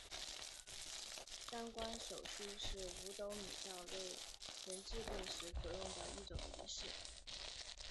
三官手书是五斗米道为人治病时所用的一种仪式。